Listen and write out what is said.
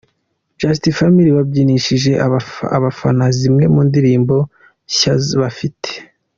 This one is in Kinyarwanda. Just Family babyinishije abafana zimwe mu ndirimbo nshya bafite.